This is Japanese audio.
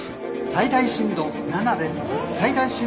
最大震度７です。